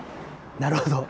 なるほど。